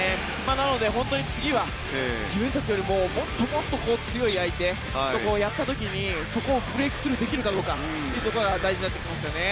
なので、本当に次は自分たちよりもっともっと強い相手とやった時にそこをブレークスルーできるかというところが大事になってきますよね。